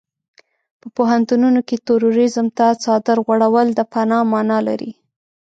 په پوهنتونونو کې تروريزم ته څادر غوړول د فناه مانا لري.